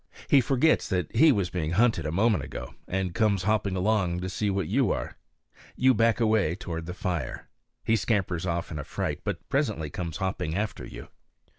He forgets that he was being hunted a moment ago, and comes hopping along to see what you are. You back away toward the fire. He scampers off in a fright, but presently comes hopping after you.